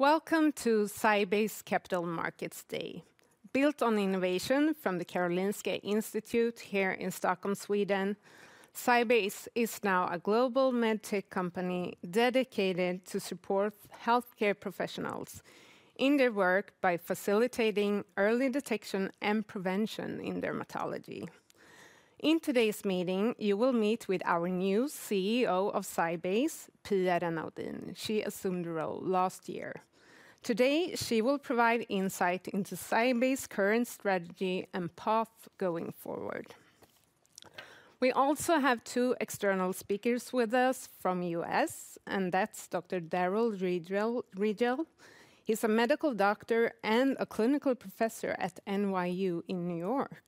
Welcome to SciBase Capital Markets Day. Built on innovation from the Karolinska Institute here in Stockholm, Sweden, SciBase is now a global med tech company dedicated to support healthcare professionals in their work by facilitating early detection and prevention in dermatology. In today's meeting, you will meet with our new CEO of SciBase, Pia Renaudin. She assumed the role last year. Today, she will provide insight into SciBase's current strategy and path going forward. We also have two external speakers with us from the U.S., and that's Dr. Darrell Rigel. He's a medical doctor and a clinical professor at NYU in New York.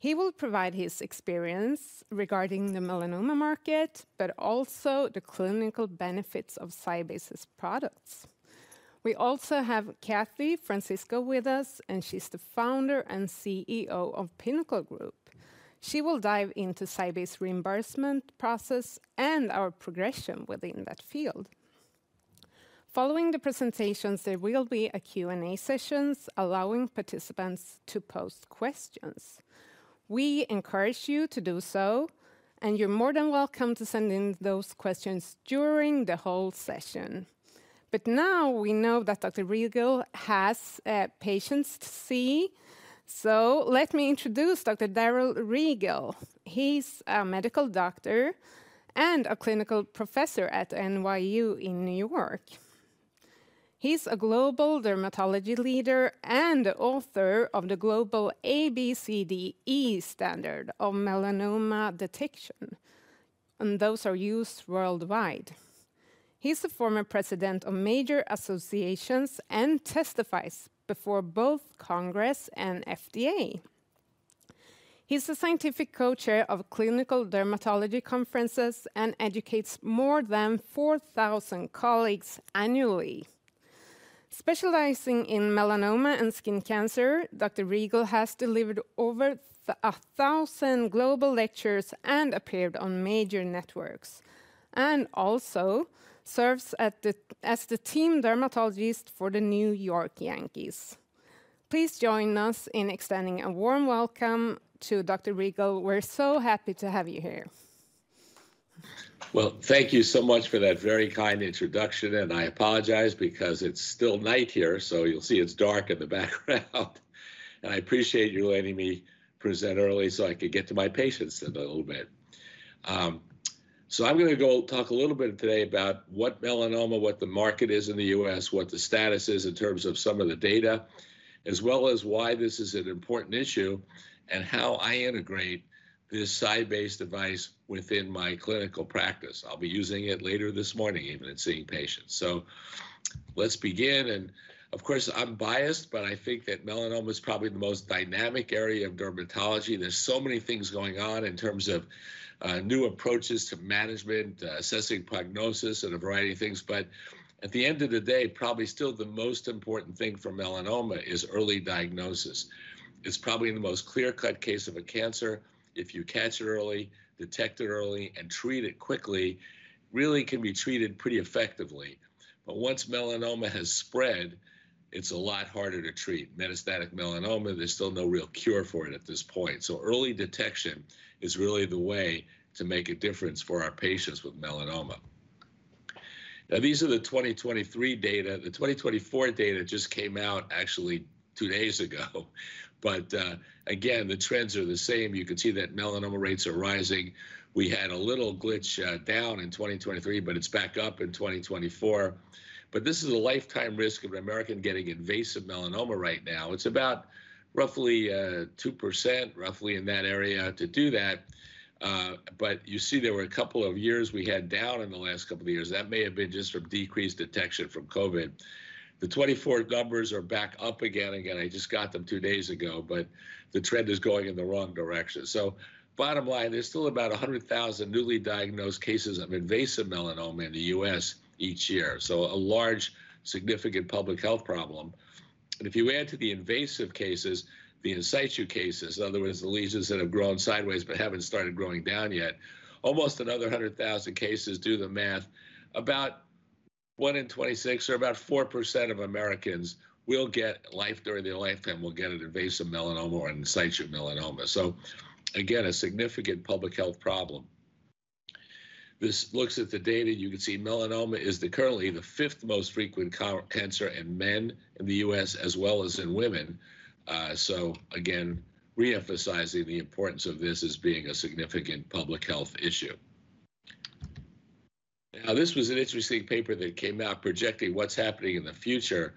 He will provide his experience regarding the melanoma market, but also the clinical benefits of SciBase's products. We also have Kathy Francisco with us, and she's the founder and CEO of Pinnacle Health Group. She will dive into SciBase reimbursement process and our progression within that field. Following the presentations, there will be a Q&A session allowing participants to post questions. We encourage you to do so, and you're more than welcome to send in those questions during the whole session. But now, we know that Dr. Rigel has patients to see, so let me introduce Dr. Darrell Rigel. He's a medical doctor and a clinical professor at NYU in New York. He's a global dermatology leader and author of the global ABCDE standard of melanoma detection, and those are used worldwide. He's a former president of major associations and testifies before both Congress and FDA. He's a scientific co-chair of clinical dermatology conferences and educates more than 4,000 colleagues annually. Specializing in melanoma and skin cancer, Dr. Rigel has delivered over 1,000 global lectures and appeared on major networks, and also serves as the team dermatologist for the New York Yankees. Please join us in extending a warm welcome to Dr. Rigel. We're so happy to have you here. Well, thank you so much for that very kind introduction, and I apologize because it's still night here, so you'll see it's dark in the background. I appreciate you letting me present early, so I could get to my patients in a little bit. So I'm gonna go talk a little bit today about what melanoma, what the market is in the U.S., what the status is in terms of some of the data, as well as why this is an important issue, and how I integrate this SciBase device within my clinical practice. I'll be using it later this morning, even in seeing patients. Let's begin, and of course, I'm biased, but I think that melanoma is probably the most dynamic area of dermatology. There's so many things going on in terms of new approaches to management, assessing prognosis, and a variety of things. But at the end of the day, probably still the most important thing for melanoma is early diagnosis. It's probably the most clear-cut case of a cancer. If you catch it early, detect it early, and treat it quickly, really can be treated pretty effectively. But once melanoma has spread, it's a lot harder to treat. Metastatic melanoma, there's still no real cure for it at this point. So early detection is really the way to make a difference for our patients with melanoma. Now, these are the 2023 data. The 2024 data just came out actually two days ago. But, again, the trends are the same. You can see that melanoma rates are rising. We had a little glitch, down in 2023, but it's back up in 2024. But this is a lifetime risk of an American getting invasive melanoma right now. It's about roughly 2%, roughly in that area to do that. But you see, there were a couple of years we had down in the last couple of years. That may have been just from decreased detection from COVID. The 2024 numbers are back up again. Again, I just got them two days ago, but the trend is going in the wrong direction. So bottom line, there's still about 100,000 newly diagnosed cases of invasive melanoma in the U.S., each year, so a large, significant public health problem. If you add to the invasive cases, the in situ cases, in other words, the lesions that have grown sideways but haven't started growing down yet, almost another 100,000 cases, do the math, about one in 26 or about 4% of Americans will get, during their lifetime, will get an invasive melanoma or in situ melanoma. So again, a significant public health problem. This looks at the data. You can see melanoma is currently the fifth most frequent common cancer in men in the U.S. as well as in women. So again, reemphasizing the importance of this as being a significant public health issue. Now, this was an interesting paper that came out projecting what's happening in the future,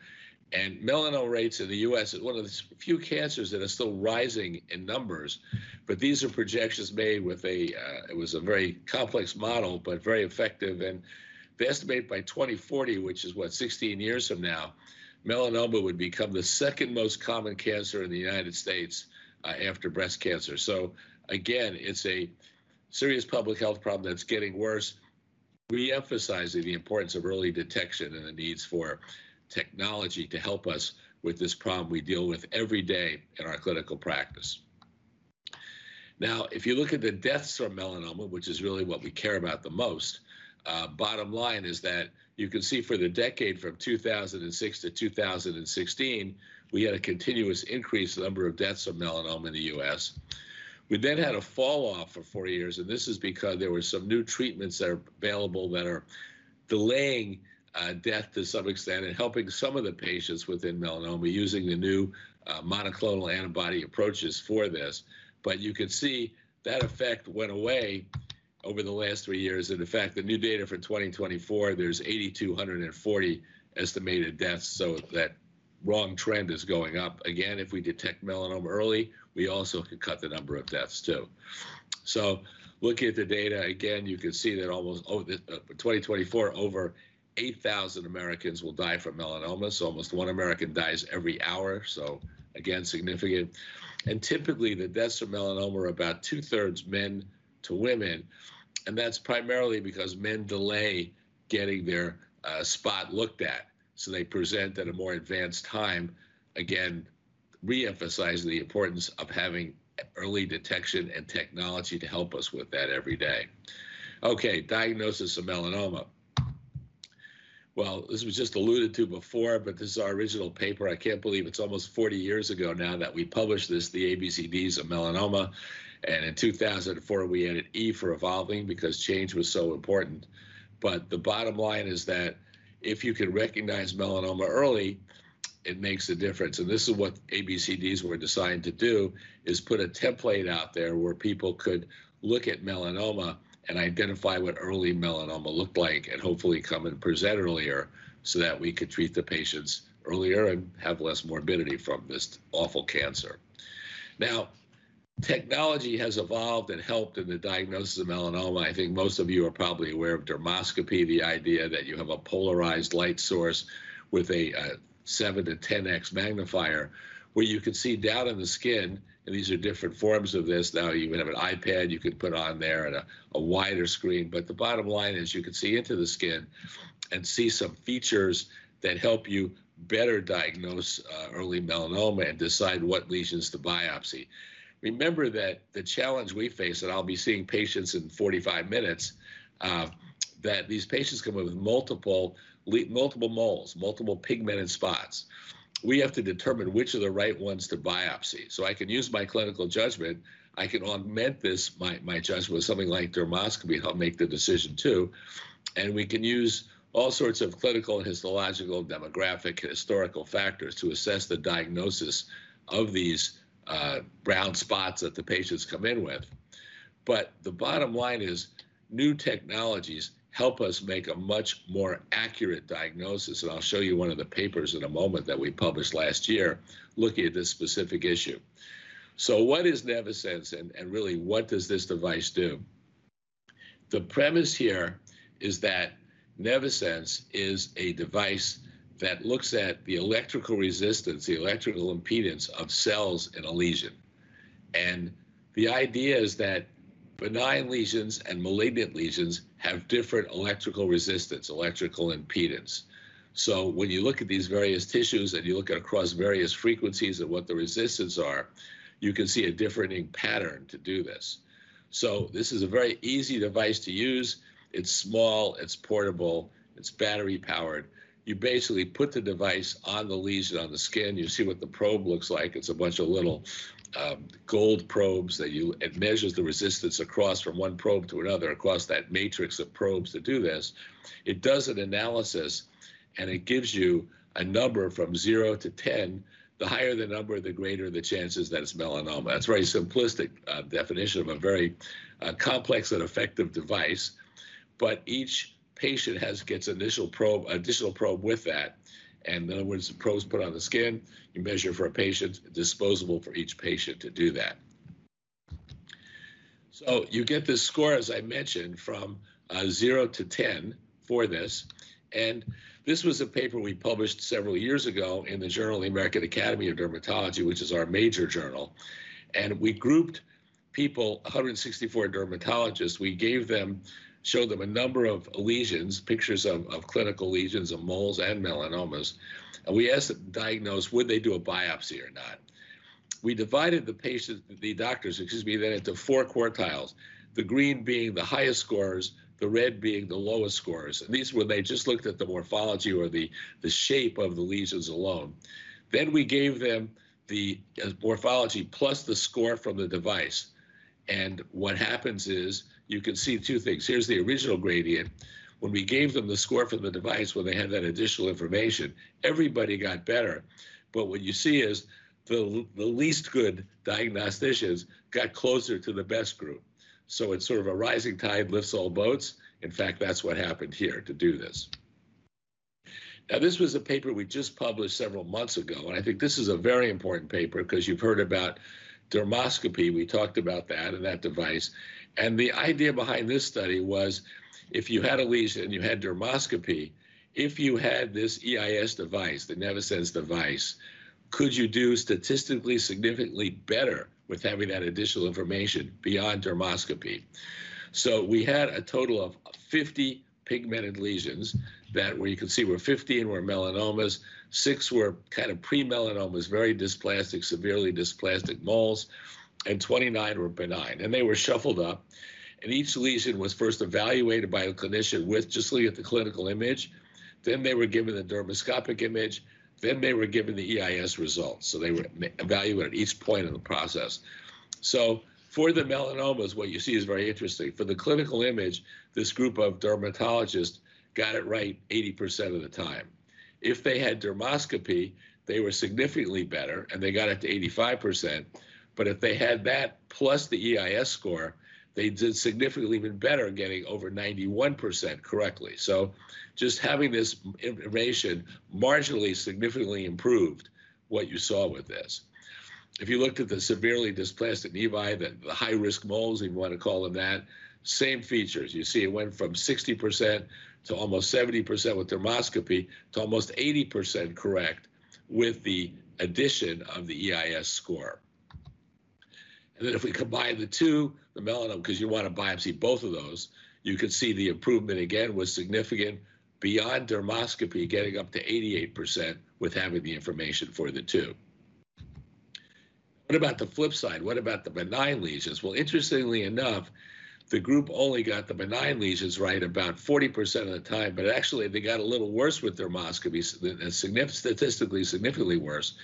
and melanoma rates in the U.S. is one of the few cancers that are still rising in numbers. These are projections made with a. It was a very complex model, but very effective, and they estimate by 2040, which is, what? 16 years from now, melanoma would become the second most common cancer in the United States, after breast cancer. So again, it's a serious public health problem that's getting worse, reemphasizing the importance of early detection and the needs for technology to help us with this problem we deal with every day in our clinical practice. Now, if you look at the deaths from melanoma, which is really what we care about the most, bottom line is that you can see for the decade from 2006 to 2016, we had a continuous increase in the number of deaths of melanoma in the U.S. We then had a fall off for four years, and this is because there were some new treatments that are available that are delaying death to some extent and helping some of the patients within melanoma, using the new monoclonal antibody approaches for this. But you can see that effect went away over the last three years. And in fact, the new data for 2024, there's 8,240 estimated deaths, so that strong trend is going up again. If we detect melanoma early, we also could cut the number of deaths, too. So looking at the data again, you can see that almost for 2024, over 8,000 Americans will die from melanoma. So almost one American dies every hour. So again, significant. Typically, the deaths from melanoma are about two-thirds men to women, and that's primarily because men delay getting their spot looked at, so they present at a more advanced time. Again, reemphasizing the importance of having early detection and technology to help us with that every day. Okay, diagnosis of melanoma. Well, this was just alluded to before, but this is our original paper. I can't believe it's almost 40 years ago now that we published this, the ABCDEs of Melanoma, and in 2004, we added E for evolving because change was so important. But the bottom line is that if you can recognize melanoma early, it makes a difference. This is what ABCDEs were designed to do, is put a template out there where people could look at melanoma and identify what early melanoma looked like, and hopefully come and present earlier, so that we could treat the patients earlier and have less morbidity from this awful cancer. Now, technology has evolved and helped in the diagnosis of melanoma. I think most of you are probably aware of dermoscopy, the idea that you have a polarized light source with a seven to 10x magnifier, where you can see down in the skin, and these are different forms of this. Now, you even have an iPad you could put on there and a wider screen. But the bottom line is, you can see into the skin and see some features that help you better diagnose early melanoma and decide what lesions to biopsy. Remember that the challenge we face, and I'll be seeing patients in 45 minutes, that these patients come in with multiple moles, multiple pigmented spots. We have to determine which are the right ones to biopsy. I can use my clinical judgment. I can augment this, my judgment with something like dermoscopy to help make the decision, too. And we can use all sorts of clinical, histological, demographic, and historical factors to assess the diagnosis of these, brown spots that the patients come in with. But the bottom line is, new technologies help us make a much more accurate diagnosis, and I'll show you one of the papers in a moment that we published last year looking at this specific issue. So what is Nevisense, and really, what does this device do? The premise here is that Nevisense is a device that looks at the electrical resistance, the electrical impedance of cells in a lesion. And the idea is that benign lesions and malignant lesions have different electrical resistance, electrical impedance. So when you look at these various tissues, and you look at across various frequencies of what the resistances are, you can see a differing pattern to do this. So this is a very easy device to use. It's small, it's portable, it's battery-powered. You basically put the device on the lesion on the skin. You see what the probe looks like. It's a bunch of little gold probes. It measures the resistance across from one probe to another, across that matrix of probes to do this. It does an analysis, and it gives you a number from zero to 10. The higher the number, the greater the chances that it's melanoma. That's a very simplistic definition of a very complex and effective device. But each patient gets initial probe, additional probe with that, and in other words, the probe is put on the skin. You measure for a patient, disposable for each patient to do that. So you get this score, as I mentioned, from zero to 10 for this. And this was a paper we published several years ago in the Journal of the American Academy of Dermatology, which is our major journal. And we grouped people, 164 dermatologists. We showed them a number of lesions, pictures of clinical lesions, of moles and melanomas, and we asked them to diagnose whether they do a biopsy or not. We divided the patients, the doctors, excuse me, then into four quartiles, the green being the highest scores, the red being the lowest scores, and these were when they just looked at the morphology or the shape of the lesions alone. Then we gave them the morphology plus the score from the device. And what happens is, you can see two things. Here's the original gradient. When we gave them the score from the device, when they had that additional information, everybody got better. But what you see is the least good diagnosticians got closer to the best group. So it's sort of a rising tide lifts all boats. In fact, that's what happened here to do this. Now, this was a paper we just published several months ago, and I think this is a very important paper because you've heard about dermoscopy. We talked about that and that device. And the idea behind this study was, if you had a lesion and you had dermoscopy, if you had this EIS device, the Nevisense device, could you do statistically significantly better with having that additional information beyond dermoscopy? So we had a total of 50 pigmented lesions that where you can see were 15 were melanomas, six were kind of pre-melanomas, very dysplastic, severely dysplastic moles, and 29 were benign. And they were shuffled up, and each lesion was first evaluated by a clinician with just looking at the clinical image, then they were given the dermoscopic image, then they were given the EIS results. So they were evaluated at each point in the process. So for the melanomas, what you see is very interesting. For the clinical image, this group of dermatologists got it right 80% of the time. If they had dermoscopy, they were significantly better, and they got it to 85%. But if they had that plus the EIS score, they did significantly even better, getting over 91% correctly. So just having this information marginally, significantly improved what you saw with this. If you looked at the severely dysplastic nevi, the high-risk moles, if you want to call them that, same features. You see it went from 60% to almost 70% with dermoscopy, to almost 80% correct with the addition of the EIS score. And then if we combine the two, the melanoma, because you want to biopsy both of those, you can see the improvement again was significant beyond dermoscopy, getting up to 88% with having the information for the two. What about the flip side? What about the benign lesions? Well, interestingly enough, the group only got the benign lesions right about 40% of the time, but actually, they got a little worse with dermoscopy than statistically significantly worse,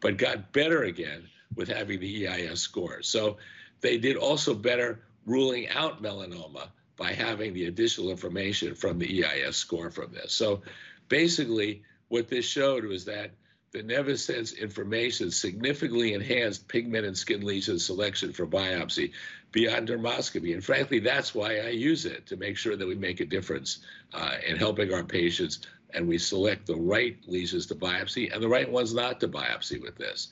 but got better again with having the EIS score. So they did also better ruling out melanoma by having the additional information from the EIS score from this. So basically, what this showed was that the Nevisense information significantly enhanced pigmented skin lesion selection for biopsy beyond dermoscopy. And frankly, that's why I use it, to make sure that we make a difference in helping our patients, and we select the right lesions to biopsy and the right ones not to biopsy with this.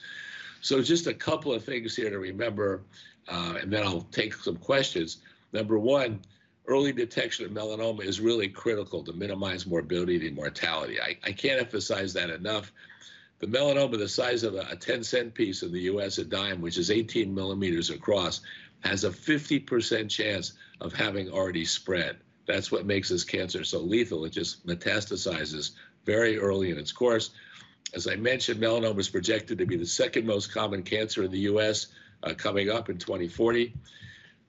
So just a couple of things here to remember, and then I'll take some questions. Number one, early detection of melanoma is really critical to minimize morbidity and mortality. I can't emphasize that enough. The melanoma, the size of a 10-cent piece in the U.S., a dime, which is 18 millimeters across, has a 50% chance of having already spread. That's what makes this cancer so lethal. It just metastasizes very early in its course. As I mentioned, melanoma is projected to be the second most common cancer in the U.S., coming up in 2040.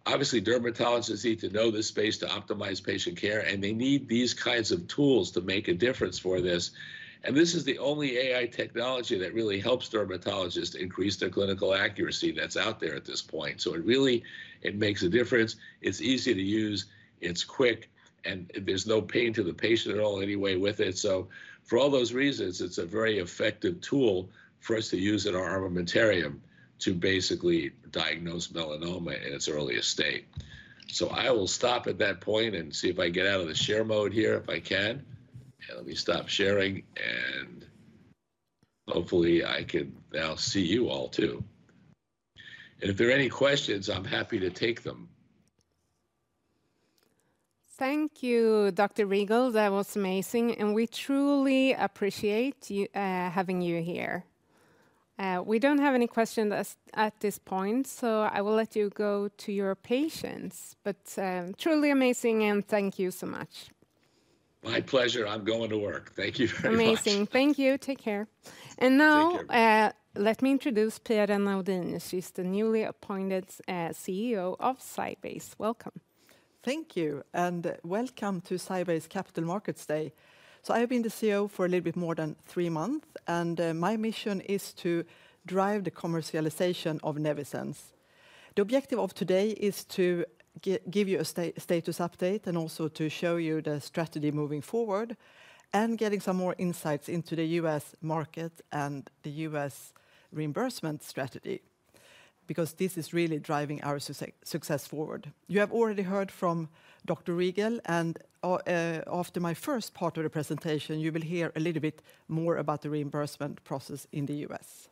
Obviously, dermatologists need to know this space to optimize patient care, and they need these kinds of tools to make a difference for this. And this is the only AI technology that really helps dermatologists increase their clinical accuracy that's out there at this point. So it really, it makes a difference. It's easy to use, it's quick, and there's no pain to the patient at all anyway with it. For all those reasons, it's a very effective tool for us to use in our armamentarium to basically diagnose melanoma in its earliest state. So I will stop at that point and see if I can get out of the share mode here, if I can. Let me stop sharing, and hopefully, I can now see you all, too. If there are any questions, I'm happy to take them. Thank you, Dr. Rigel. That was amazing, and we truly appreciate you having you here. We don't have any questions at this point, so I will let you go to your patients. But, truly amazing, and thank you so much. My pleasure. I'm going to work. Thank you very much. Amazing. Thank you. Take care. And now, let me introduce Pia Renaudin. She's the newly appointed CEO of SciBase. Welcome. Thank you, and welcome to SciBase Capital Markets Day. So I have been the CEO for a little bit more than three months, and my mission is to drive the commercialization of Nevisense. The objective of today is to give you a status update and also to show you the strategy moving forward, and getting some more insights into the U.S. market and the U.S. reimbursement strategy, because this is really driving our success forward. You have already heard from Dr. Rigel, and after my first part of the presentation, you will hear a little bit more about the reimbursement process in the U.S.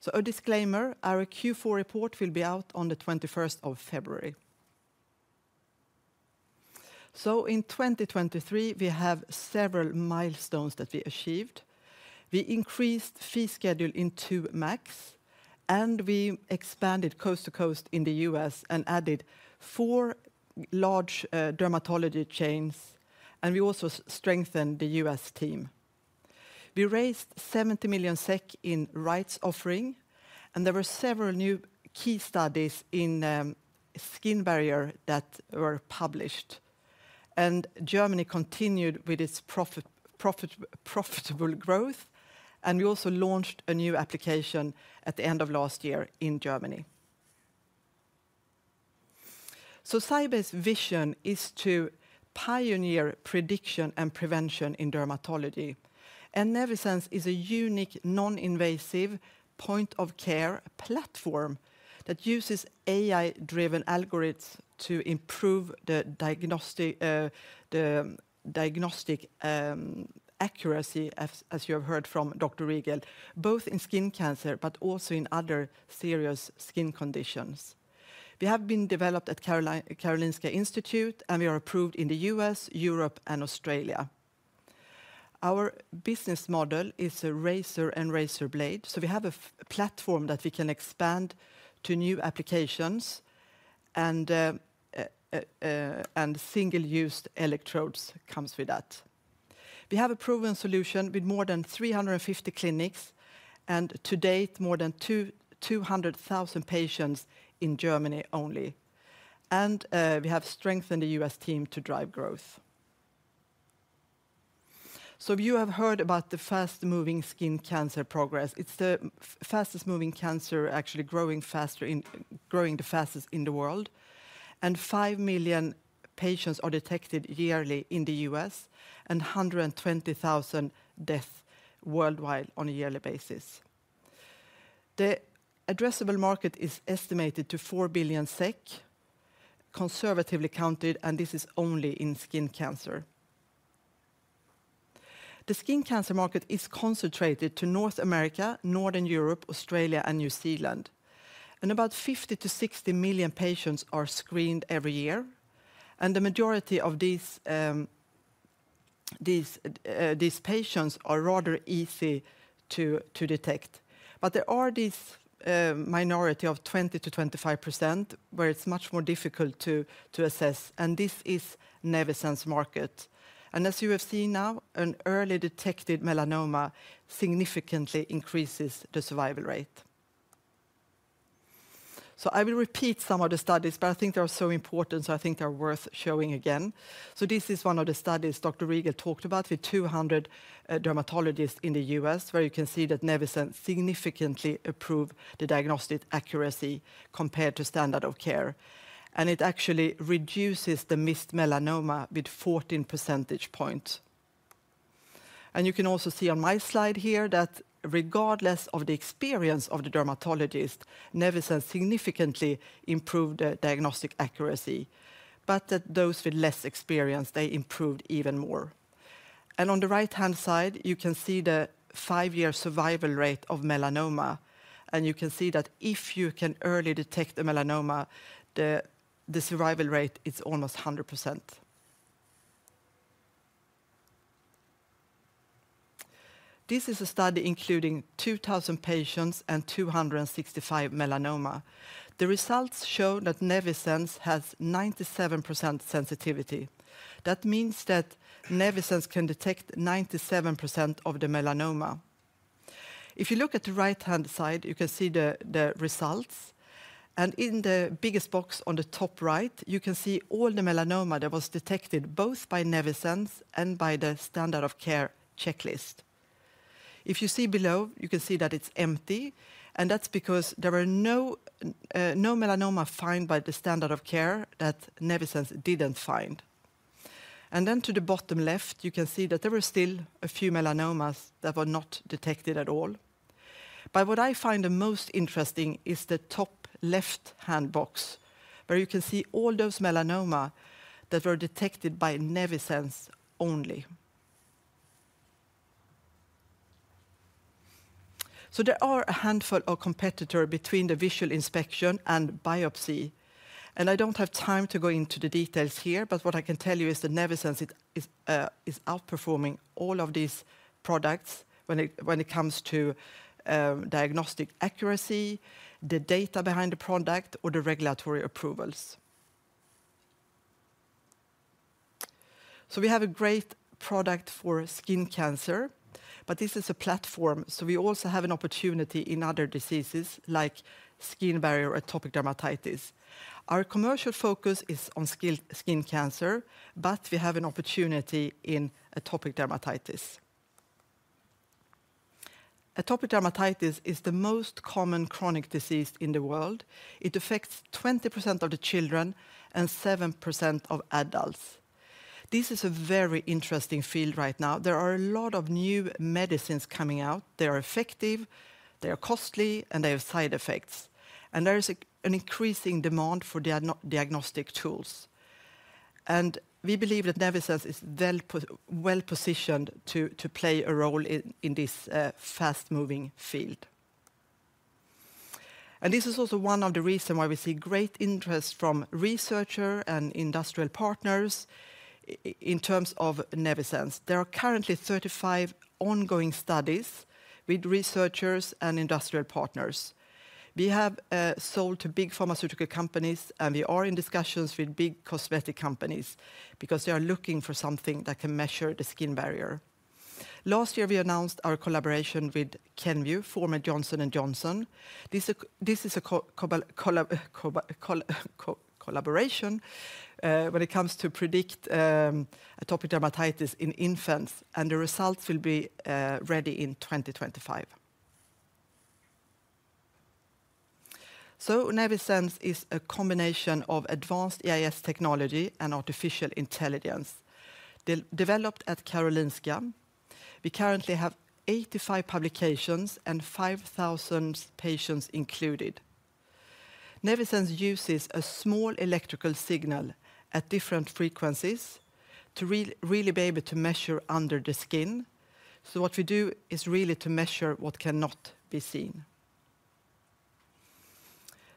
So a disclaimer, our Q4 report will be out on the 21st February. So in 2023, we have several milestones that we achieved. We increased fee schedule in two MACs, and we expanded coast to coast in the U.S. and added four large dermatology chains, and we also strengthened the U.S. team. We raised 70 million SEK in rights offering, and there were several new key studies in skin barrier that were published. Germany continued with its profitable growth, and we also launched a new application at the end of last year in Germany. SciBase vision is to pioneer prediction and prevention in dermatology, and Nevisense is a unique, non-invasive point of care platform that uses AI-driven algorithms to improve the diagnostic accuracy, as you have heard from Dr. Rigel, both in skin cancer, but also in other serious skin conditions. We have been developed at Karolinska Institute, and we are approved in the U.S., Europe, and Australia. Our business model is a razor and razor blade, so we have a platform that we can expand to new applications, and single-use electrodes comes with that. We have a proven solution with more than 350 clinics, and to date, more than 200,000 patients in Germany only. We have strengthened the U.S. team to drive growth. So you have heard about the fast-moving skin cancer progress. It's the fastest moving cancer, actually growing the fastest in the world, and 5,000,000 patients are detected yearly in the U.S., and 120,000 deaths worldwide on a yearly basis. The addressable market is estimated to 4 billion SEK, conservatively counted, and this is only in skin cancer. The skin cancer market is concentrated to North America, Northern Europe, Australia, and New Zealand. About 50,000,000 to 60,000,000 patients are screened every year, and the majority of these patients are rather easy to detect. But there is this minority of 20%-25%, where it's much more difficult to assess, and this is Nevisense market. And as you have seen now, an early detected melanoma significantly increases the survival rate. So I will repeat some of the studies, but I think they are so important, so I think they are worth showing again. So this is one of the studies Dr. Rigel talked about with 200 dermatologists in the U.S., where you can see that Nevisense significantly improves the diagnostic accuracy compared to standard of care. And it actually reduces the missed melanoma with 14 percentage points. You can also see on my slide here that regardless of the experience of the dermatologist, Nevisense significantly improved the diagnostic accuracy, but that those with less experience, they improved even more. And on the right-hand side, you can see the five-year survival rate of melanoma, and you can see that if you can early detect the melanoma, the survival rate is almost 100%. This is a study including 2,000 patients and 265 melanoma. The results show that Nevisense has 97% sensitivity. That means that Nevisense can detect 97% of the melanoma. If you look at the right-hand side, you can see the results, and in the biggest box on the top right, you can see all the melanoma that was detected, both by Nevisense and by the standard of care checklist. If you see below, you can see that it's empty, and that's because there were no melanoma found by the standard of care that Nevisense didn't find. Then to the bottom left, you can see that there were still a few melanomas that were not detected at all. But what I find the most interesting is the top left-hand box, where you can see all those melanomas that were detected by Nevisense only. So there are a handful of competitor between the visual inspection and biopsy, and I don't have time to go into the details here, but what I can tell you is that Nevisense is outperforming all of these products when it comes to diagnostic accuracy, the data behind the product, or the regulatory approvals. We have a great product for skin cancer, but this is a platform, so we also have an opportunity in other diseases like skin barrier or atopic dermatitis. Our commercial focus is on skin cancer, but we have an opportunity in atopic dermatitis. Atopic dermatitis is the most common chronic disease in the world. It affects 20% of the children and 7% of adults. This is a very interesting field right now. There are a lot of new medicines coming out. They are effective, they are costly, and they have side effects, and there is an increasing demand for diagnostic tools. We believe that Nevisense is well-positioned to play a role in this fast-moving field. This is also one of the reason why we see great interest from researcher and industrial partners in terms of Nevisense. There are currently 35 ongoing studies with researchers and industrial partners. We have sold to big pharmaceutical companies, and we are in discussions with big cosmetic companies because they are looking for something that can measure the skin barrier. Last year, we announced our collaboration with Kenvue, former Johnson & Johnson. This is a collaboration when it comes to predict atopic dermatitis in infants, and the results will be ready in 2025. So Nevisense is a combination of advanced EIS technology and artificial intelligence, developed at Karolinska. We currently have 85 publications and 5,000 patients included. Nevisense uses a small electrical signal at different frequencies to really be able to measure under the skin. So what we do is really to measure what cannot be seen.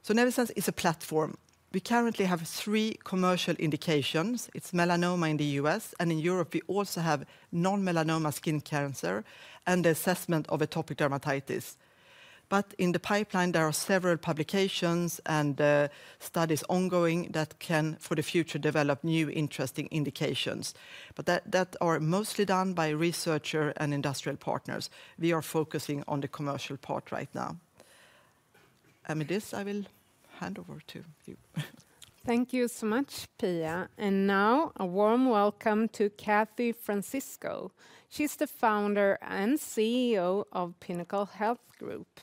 So Nevisense is a platform. We currently have three commercial indications. It's melanoma in the U.S., and in Europe we also have non-melanoma skin cancer and the assessment of atopic dermatitis. But in the pipeline, there are several publications and studies ongoing that can, for the future, develop new interesting indications. But that are mostly done by researcher and industrial partners. We are focusing on the commercial part right now. With this, I will hand over to you. Thank you so much, Pia, and now a warm welcome to Kathy Francisco. She's the founder and CEO of Pinnacle Health Group.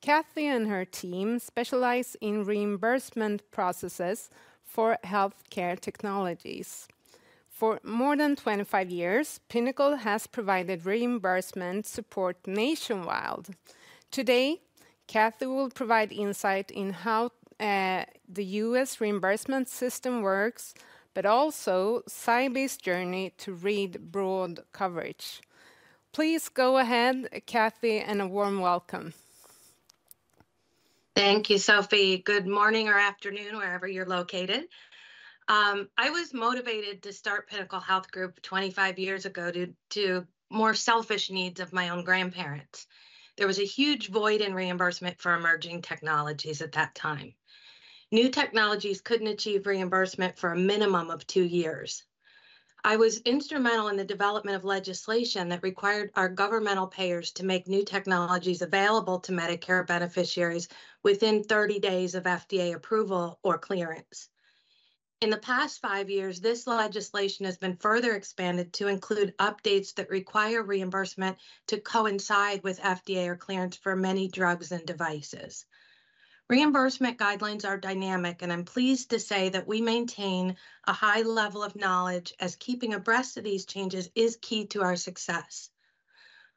Kathy and her team specialize in reimbursement processes for healthcare technologies. For more than 25 years, Pinnacle has provided reimbursement support nationwide. Today, Kathy will provide insight into how the U.S. reimbursement system works, but also SciBase's journey to reimbursement broad coverage. Please go ahead, Kathy, and a warm welcome. Thank you, Sophie. Good morning or afternoon, wherever you're located. I was motivated to start Pinnacle Health Group 25 years ago due to more selfish needs of my own grandparents. There was a huge void in reimbursement for emerging technologies at that time. New technologies couldn't achieve reimbursement for a minimum of two years. I was instrumental in the development of legislation that required our governmental payers to make new technologies available to Medicare beneficiaries within 30 days of FDA approval or clearance. In the past five years, this legislation has been further expanded to include updates that require reimbursement to coincide with FDA or clearance for many drugs and devices. Reimbursement guidelines are dynamic, and I'm pleased to say that we maintain a high level of knowledge, as keeping abreast of these changes is key to our success.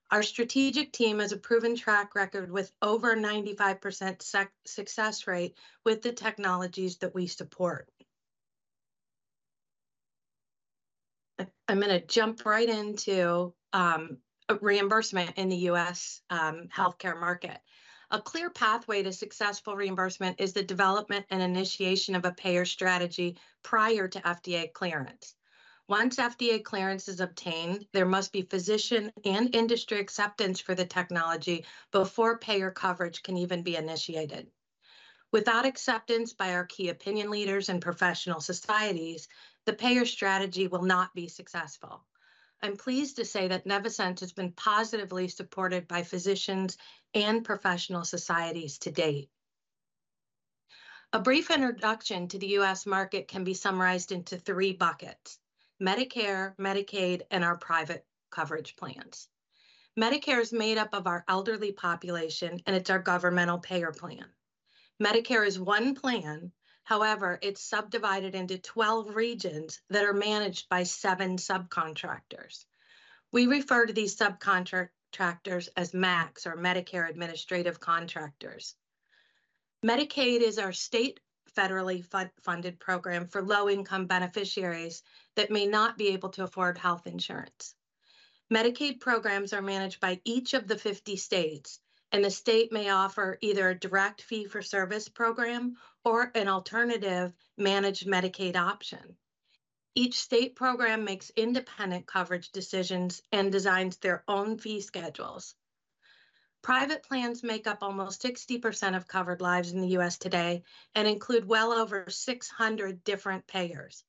Our strategic team has a proven track record with over 95% success rate with the technologies that we support. I'm going to jump right into reimbursement in the U.S. healthcare market. A clear pathway to successful reimbursement is the development and initiation of a payer strategy prior to FDA clearance. Once FDA clearance is obtained, there must be physician and industry acceptance for the technology before payer coverage can even be initiated. Without acceptance by our key opinion leaders and professional societies, the payer strategy will not be successful. I'm pleased to say that Nevisense has been positively supported by physicians and professional societies to date. A brief introduction to the U.S. market can be summarized into three buckets: Medicare, Medicaid, and our private coverage plans. Medicare is made up of our elderly population, and it's our governmental payer plan. Medicare is one plan; however, it's subdivided into 12 regions that are managed by seven subcontractors. We refer to these subcontractors as MACs or Medicare Administrative Contractors. Medicaid is our state federally funded program for low-income beneficiaries that may not be able to afford health insurance. Medicaid programs are managed by each of the 50 states, and the state may offer either a direct fee-for-service program or an alternative managed Medicaid option. Each state program makes independent coverage decisions and designs their own fee schedules. Private plans make up almost 60% of covered lives in the U.S. today and include well over 600 different payers.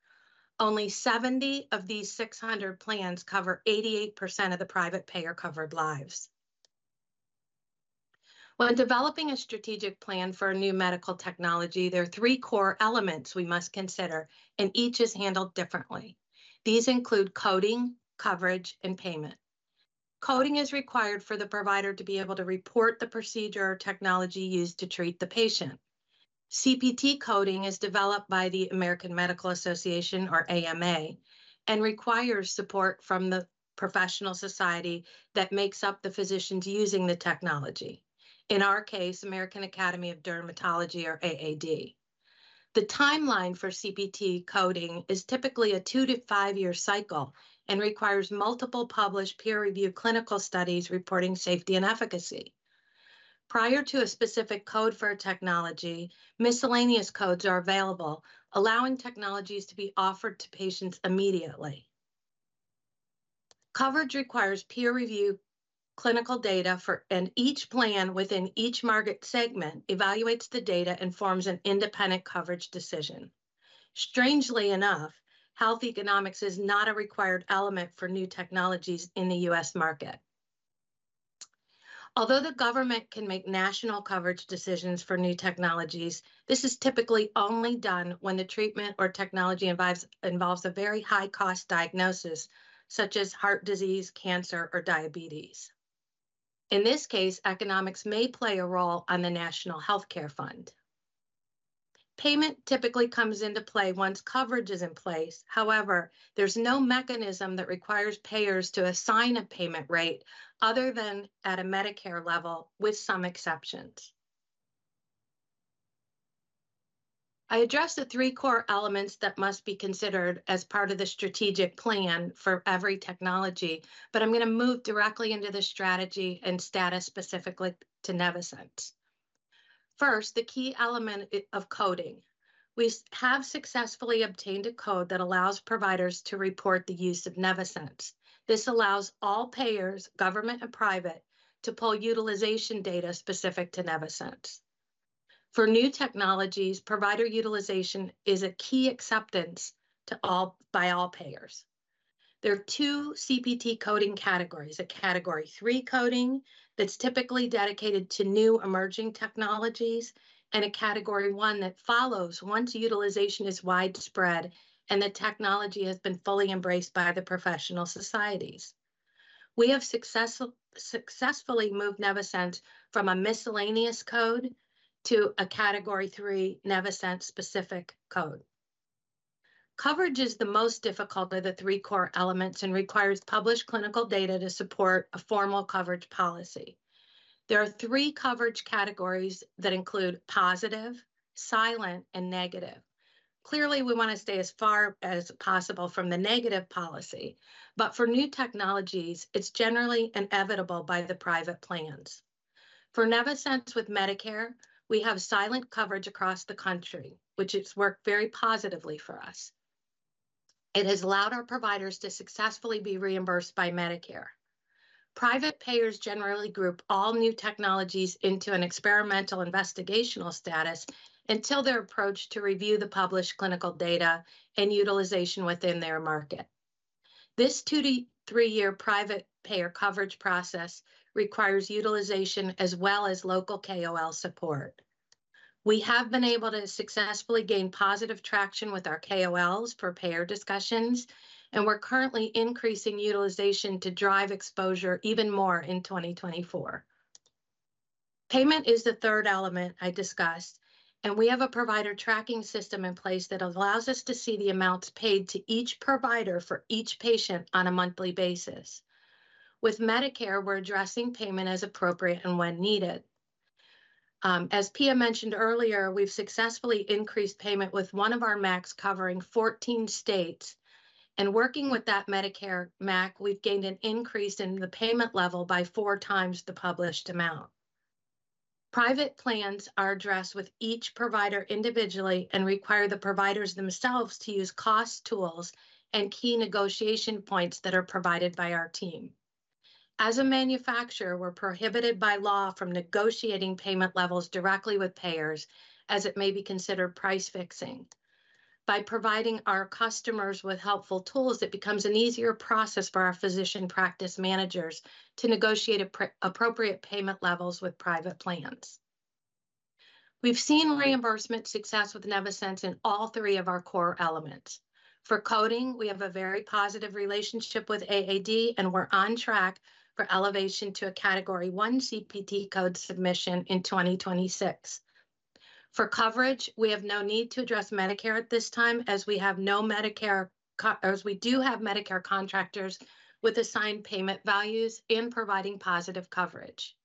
Only 70 of these 600 plans cover 88% of the private payer-covered lives. When developing a strategic plan for a new medical technology, there are three core elements we must consider, and each is handled differently. These include coding, coverage, and payment. Coding is required for the provider to be able to report the procedure or technology used to treat the patient. CPT coding is developed by the American Medical Association, or AMA, and requires support from the professional society that makes up the physicians using the technology, in our case, American Academy of Dermatology or AAD. The timeline for CPT coding is typically a two to five year cycle and requires multiple published peer-reviewed clinical studies reporting safety and efficacy. Prior to a specific code for a technology, miscellaneous codes are available, allowing technologies to be offered to patients immediately. Coverage requires peer review, clinical data for... Each plan within each market segment evaluates the data and forms an independent coverage decision. Strangely enough, health economics is not a required element for new technologies in the U.S. market. Although the government can make national coverage decisions for new technologies, this is typically only done when the treatment or technology involves a very high-cost diagnosis, such as heart disease, cancer, or diabetes. In this case, economics may play a role on the national healthcare fund. Payment typically comes into play once coverage is in place. However, there's no mechanism that requires payers to assign a payment rate other than at a Medicare level, with some exceptions. I addressed the three core elements that must be considered as part of the strategic plan for every technology, but I'm gonna move directly into the strategy and status specifically to Nevisense. First, the key element of coding. We have successfully obtained a code that allows providers to report the use of Nevisense. This allows all payers, government and private, to pull utilization data specific to Nevisense. For new technologies, provider utilization is a key acceptance to all by all payers. There are two CPT coding categories: a Category III coding, that's typically dedicated to new, emerging technologies, and a Category I that follows once utilization is widespread, and the technology has been fully embraced by the professional societies. We have successfully moved Nevisense from a miscellaneous code to a Category III Nevisense-specific code. Coverage is the most difficult of the three core elements and requires published clinical data to support a formal coverage policy. There are three coverage categories that include positive, silent, and negative. Clearly, we wanna stay as far as possible from the negative policy, but for new technologies, it's generally inevitable by the private plans. For Nevisense with Medicare, we have silent coverage across the country, which it's worked very positively for us. It has allowed our providers to successfully be reimbursed by Medicare. Private payers generally group all new technologies into an experimental investigational status until they're approached to review the published clinical data and utilization within their market. This two to three year private payer coverage process requires utilization as well as local KOL support. We have been able to successfully gain positive traction with our KOLs for payer discussions, and we're currently increasing utilization to drive exposure even more in 2024. Payment is the third element I discussed, and we have a provider tracking system in place that allows us to see the amounts paid to each provider for each patient on a monthly basis. With Medicare, we're addressing payment as appropriate and when needed. As Pia mentioned earlier, we've successfully increased payment, with one of our MACs covering 14 states. Working with that Medicare MAC, we've gained an increase in the payment level by four times the published amount. Private plans are addressed with each provider individually and require the providers themselves to use cost tools and key negotiation points that are provided by our team. As a manufacturer, we're prohibited by law from negotiating payment levels directly with payers, as it may be considered price-fixing. By providing our customers with helpful tools, it becomes an easier process for our physician practice managers to negotiate appropriate payment levels with private plans. We've seen reimbursement success with Nevisense in all three of our core elements. For coding, we have a very positive relationship with AAD, and we're on track for elevation to a Category I CPT code submission in 2026. For coverage, we have no need to address Medicare at this time, as we do have Medicare contractors with assigned payment values and providing positive coverage.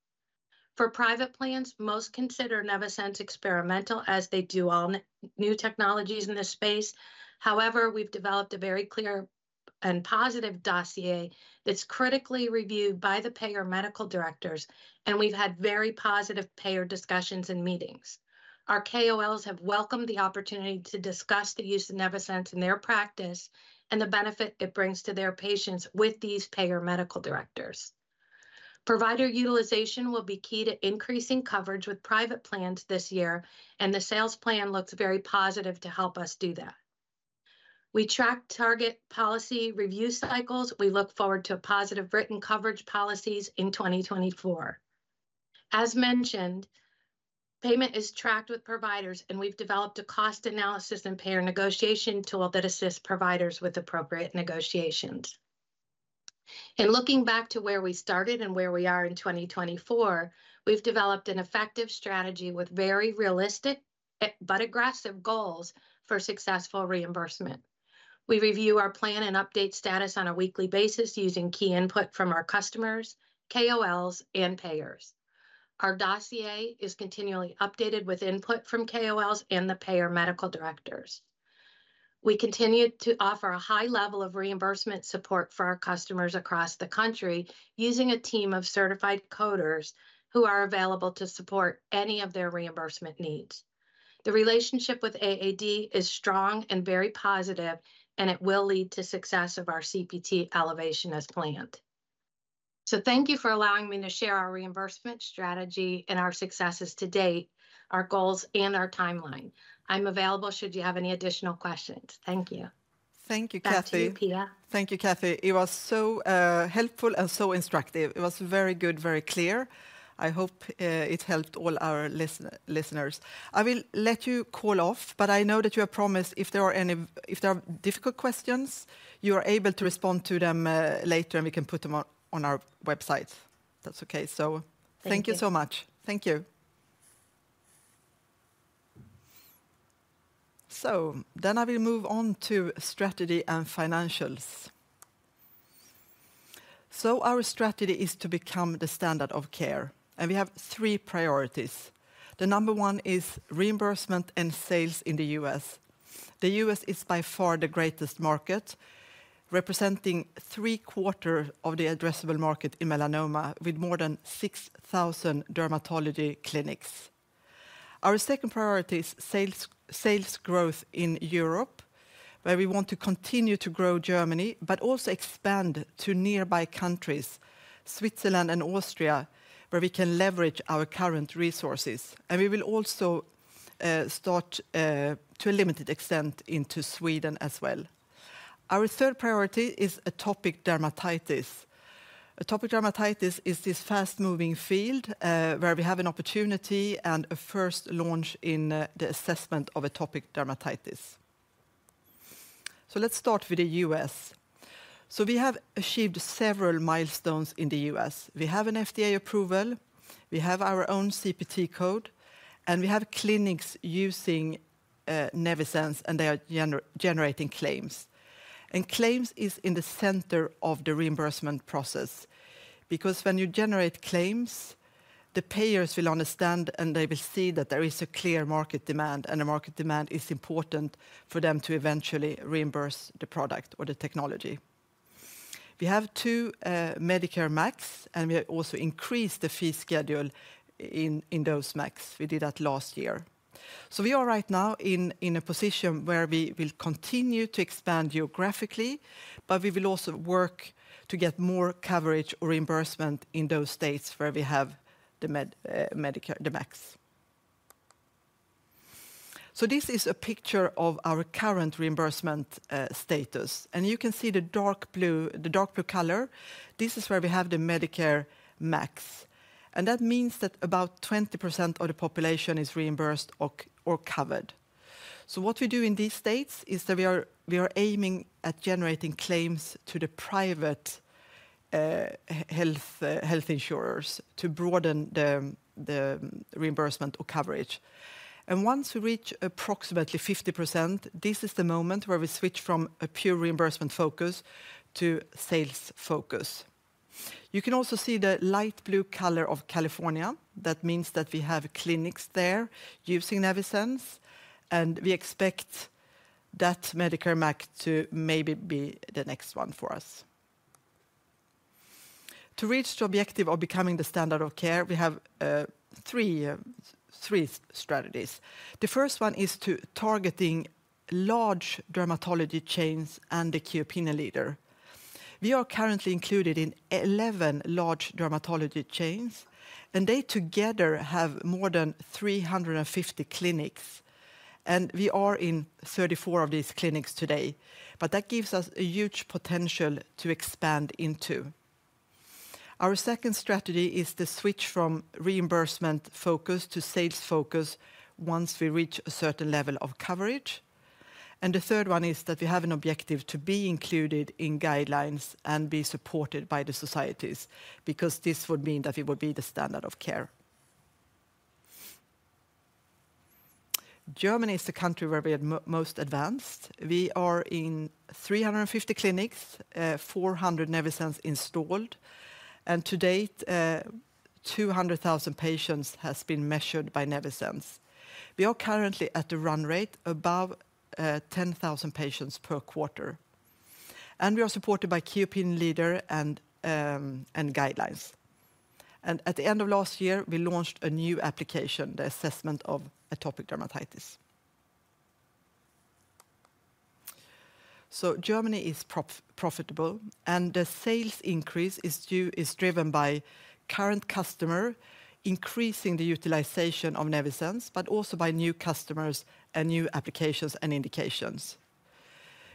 For private plans, most consider Nevisense experimental, as they do all new technologies in this space. However, we've developed a very clear and positive dossier that's critically reviewed by the payer medical directors, and we've had very positive payer discussions and meetings. Our KOLs have welcomed the opportunity to discuss the use of Nevisense in their practice and the benefit it brings to their patients with these payer medical directors. Provider utilization will be key to increasing coverage with private plans this year, and the sales plan looks very positive to help us do that. We track target policy review cycles. We look forward to positive written coverage policies in 2024. As mentioned, payment is tracked with providers, and we've developed a cost analysis and payer negotiation tool that assists providers with appropriate negotiations. In looking back to where we started and where we are in 2024, we've developed an effective strategy with very realistic but aggressive goals for successful reimbursement. We review our plan and update status on a weekly basis using key input from our customers, KOLs, and payers. Our dossier is continually updated with input from KOLs and the payer medical directors. We continue to offer a high level of reimbursement support for our customers across the country, using a team of certified coders who are available to support any of their reimbursement needs. The relationship with AAD is strong and very positive, and it will lead to success of our CPT elevation as planned. Thank you for allowing me to share our reimbursement strategy and our successes to date, our goals, and our timeline. I'm available should you have any additional questions. Thank you. Thank you, Kathy. Back to you, Pia. Thank you, Kathy. It was so helpful and so instructive. It was very good, very clear. I hope it helped all our listeners. I will let you call off, but I know that you have promised if there are difficult questions, you are able to respond to them later, and we can put them on our website, if that's okay. So- Thank you Thank you so much. Thank you. So then I will move on to strategy and financials. So our strategy is to become the standard of care, and we have three priorities. The number one is reimbursement and sales in the U.S. The U.S. is by far the greatest market, representing three-quarters of the addressable market in melanoma, with more than 6,000 dermatology clinics. Our second priority is sales growth in Europe, where we want to continue to grow Germany, but also expand to nearby countries, Switzerland and Austria, where we can leverage our current resources. And we will also start to a limited extent into Sweden as well. Our third priority is atopic dermatitis. Atopic dermatitis is this fast-moving field, where we have an opportunity and a first launch in the assessment of atopic dermatitis. So let's start with the U.S. So we have achieved several milestones in the U.S. We have an FDA approval, we have our own CPT code, and we have clinics using Nevisense, and they are generating claims. Claims is in the center of the reimbursement process. Because when you generate claims, the payers will understand, and they will see that there is a clear market demand, and a market demand is important for them to eventually reimburse the product or the technology. We have two Medicare MACs, and we have also increased the fee schedule in those MACs. We did that last year. So we are right now in a position where we will continue to expand geographically, but we will also work to get more coverage or reimbursement in those states where we have the Medicare MACs. This is a picture of our current reimbursement status, and you can see the dark blue, the dark blue color. This is where we have the Medicare MACs, and that means that about 20% of the population is reimbursed or covered. So what we do in these states is that we are aiming at generating claims to the private health insurers to broaden the reimbursement or coverage. And once we reach approximately 50%, this is the moment where we switch from a pure reimbursement focus to sales focus. You can also see the light blue color of California. That means that we have clinics there using Nevisense, and we expect that Medicare MAC to maybe be the next one for us. To reach the objective of becoming the standard of care, we have three strategies. The first one is to targeting large dermatology chains and the key opinion leader. We are currently included in 11 large dermatology chains, and they together have more than 350 clinics, and we are in 34 of these clinics today. But that gives us a huge potential to expand into. Our second strategy is the switch from reimbursement focus to sales focus once we reach a certain level of coverage. And the third one is that we have an objective to be included in guidelines and be supported by the societies, because this would mean that we would be the standard of care. Germany is the country where we are most advanced. We are in 350 clinics, 400 Nevisense installed, and to date, 200,000 patients has been measured by Nevisense. We are currently at the run rate above 10,000 patients per quarter, and we are supported by key opinion leader and guidelines. At the end of last year, we launched a new application, the assessment of atopic dermatitis. Germany is profitable, and the sales increase is driven by current customer increasing the utilization of Nevisense, but also by new customers and new applications and indications.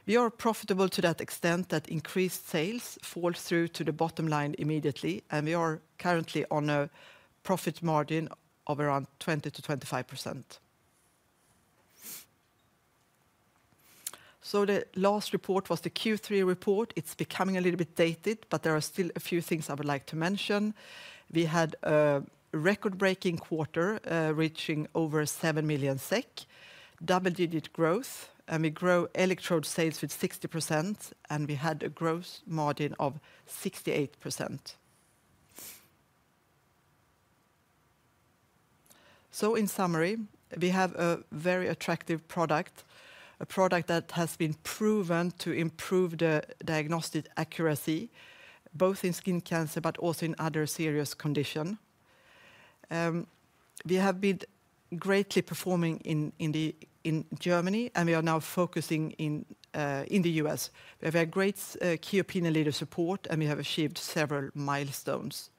We are profitable to that extent that increased sales fall through to the bottom line immediately, and we are currently on a profit margin of around 20%-25%. The last report was the Q3 report. It's becoming a little bit dated, but there are still a few things I would like to mention. We had a record-breaking quarter, reaching over 7 million SEK, double-digit growth, and we grow electrode sales with 60%, and we had a gross margin of 68%. So in summary, we have a very attractive product, a product that has been proven to improve the diagnostic accuracy, both in skin cancer, but also in other serious condition. We have been greatly performing in Germany, and we are now focusing in the U.S. We have a great key opinion leader support, and we have achieved several milestones.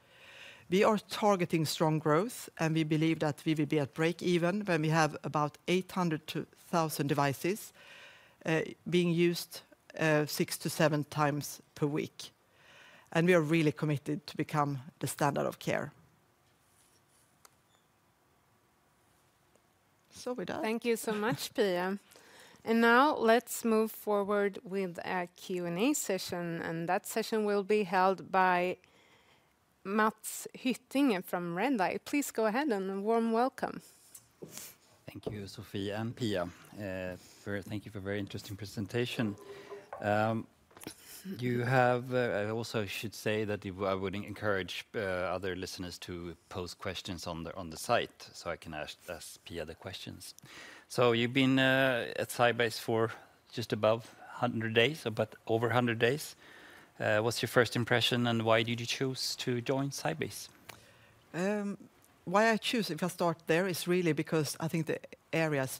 We are targeting strong growth, and we believe that we will be at break-even when we have about 800-1,000 devices being used 6-7x per week. We are really committed to become the standard of care. So we're done. Thank you so much, Pia. Now let's move forward with a Q&A session, and that session will be held by Mats Hyttinge from Redeye. Please go ahead, and a warm welcome. Thank you, Sophie and Pia. Thank you for a very interesting presentation. I also should say that I would encourage other listeners to pose questions on the site, so I can ask Pia the questions. So you've been at SciBase for just above 100 days, about over 100 days. What's your first impression, and why did you choose to join SciBase? Why I choose, if I start there, is really because I think the areas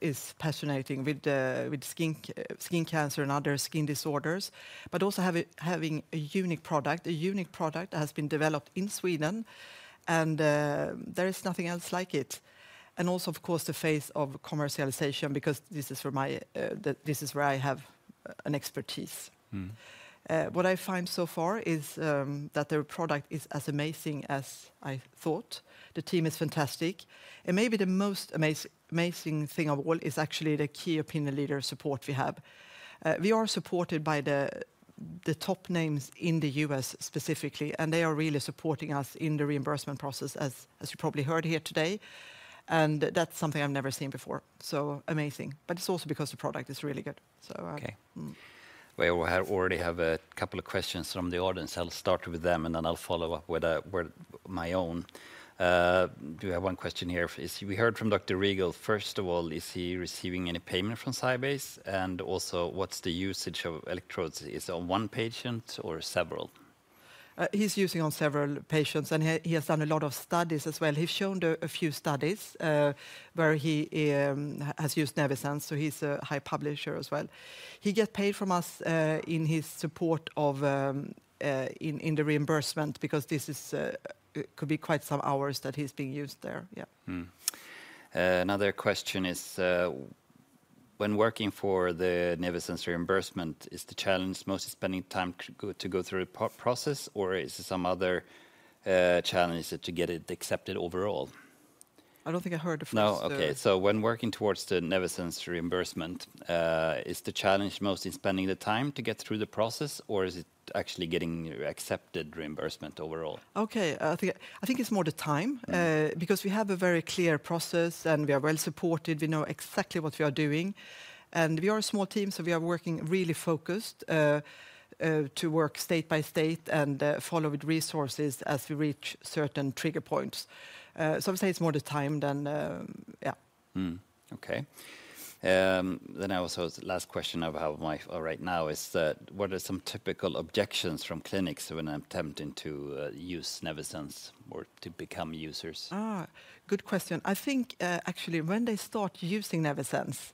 is passionate with skin cancer and other skin disorders, but also have a having a unique product. A unique product that has been developed in Sweden, and there is nothing else like it. And also, of course, the phase of commercialization, because this is where my the this is where I have an expertise. Mm-hmm. What I find so far is that their product is as amazing as I thought. The team is fantastic, and maybe the most amazing thing of all is actually the key opinion leader support we have. We are supported by the top names in the U.S. specifically, and they are really supporting us in the reimbursement process, as you probably heard here today, and that's something I've never seen before, so amazing. But it's also because the product is really good. So... Okay. Mm. Well, we already have a couple of questions from the audience. I'll start with them, and then I'll follow up with my own. We have one question here. We heard from Dr. Rigel, first of all, is he receiving any payment from SciBase? And also, what's the usage of electrodes? Is it on one patient or several? He's using on several patients, and he has done a lot of studies as well. He's shown a few studies where he has used Nevisense, so he's a high publisher as well. He gets paid from us in his support in the reimbursement, because this could be quite some hours that he's being used there. Yeah. Another question is, when working for the Nevisense reimbursement, is the challenge mostly spending time to go through a process, or is it some other challenge to get it accepted overall? I don't think I heard the first. No. Okay, so when working towards the Nevisense reimbursement, is the challenge mostly spending the time to get through the process, or is it actually getting accepted reimbursement overall? Okay. I think it's more the time because we have a very clear process, and we are well supported. We know exactly what we are doing, and we are a small team, so we are working really focused to work state by state and follow with resources as we reach certain trigger points. So I would say it's more the time than... Yeah. Okay. Then I also, the last question I have right now is: what are some typical objections from clinics when attempting to use Nevisense or to become users? Ah, good question. I think, actually, when they start using Nevisense,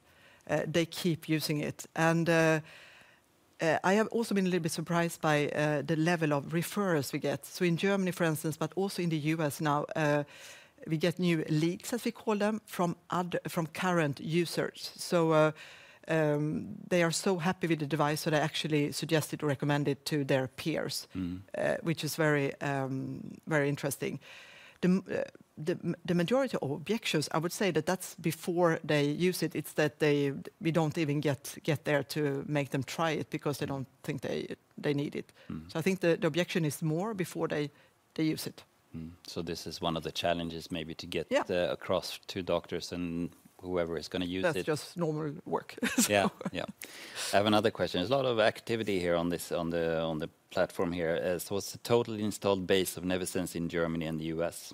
they keep using it. And, I have also been a little bit surprised by the level of referrers we get. So in Germany, for instance, but also in the U.S. now, we get new leads, as we call them, from MDs, from current users. So, they are so happy with the device that they actually suggest it or recommend it to their peers- Mm Which is very, very interesting. The majority of objections, I would say that that's before they use it. It's that they, we don't even get there to make them try it because they don't think they need it. I think the objection is more before they use it. This is one of the challenges, maybe, to get Yeah The access to doctors and whoever is gonna use it That's just normal work. Yeah. Yeah. I have another question. There's a lot of activity here on the platform here. So what's the total installed base of Nevisense in Germany and the U.S.?